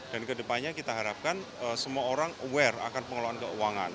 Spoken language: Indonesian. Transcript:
dan kedepannya kita harapkan semua orang aware akan pengelolaan keuangan